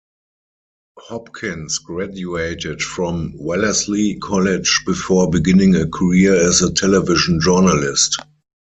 Hopkins graduated from Wellesley College before beginning a career as a television journalist.